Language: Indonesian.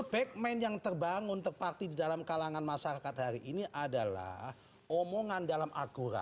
backman yang terbangun terpaksa di dalam kalangan masyarakat hari ini adalah omongan dalam akura